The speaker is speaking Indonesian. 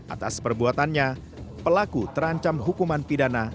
atas perbuatannya pelaku terancam hukuman pidana